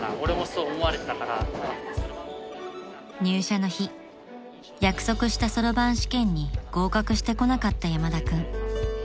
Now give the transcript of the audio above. ［入社の日約束したそろばん試験に合格してこなかった山田君］